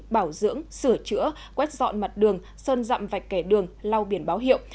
bảo dưỡng sửa chữa quét dọn mặt đường sơn dặm vạch kẻ đường lau biển báo hiệu